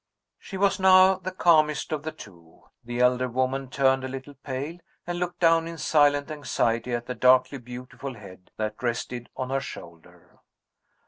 She was now the calmest of the two. The elder woman turned a little pale, and looked down in silent anxiety at the darkly beautiful head that rested on her shoulder.